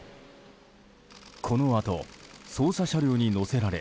このあと捜査車両に乗せられ